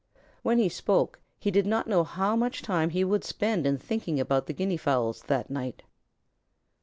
When he spoke he did not know how much time he would spend in thinking about the Guinea fowls that night.